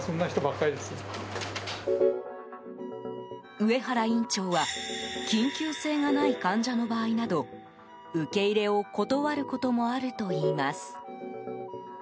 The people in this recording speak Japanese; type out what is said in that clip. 上原院長は緊急性がない患者の場合など受け入れを断ることもあるといいます。